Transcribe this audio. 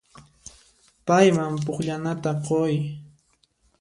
Payman pukllananta quy.